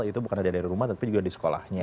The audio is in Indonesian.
itu bukan ada di rumah tapi juga di sekolahnya